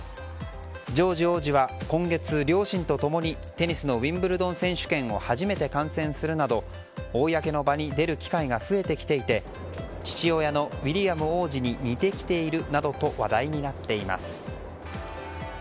ジョージ王子は今月、両親と共にテニスのウィンブルドン選手権を初めて観戦するなど公の場に出る機会が増えてきていて父親のウィリアム王子に似てきているなどと話題になっています。